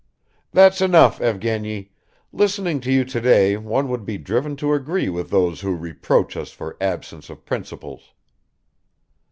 "That's enough, Evgeny ... listening to you today one would be driven to agree with those who reproach us for absence of principles."